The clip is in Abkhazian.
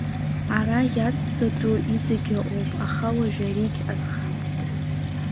Ара иацҵатәу иҵегь ыҟоуп, аха уажә аригь азхап.